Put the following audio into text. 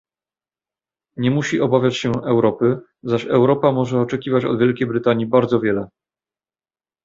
Nie musi obawiać się Europy, zaś Europa może oczekiwać od Wielkiej Brytanii bardzo wiele